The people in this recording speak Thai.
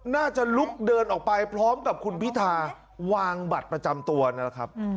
น่าจะลุกเดินออกไปพร้อมกับคุณพิธาวางบัตรประจำตัวนั่นแหละครับ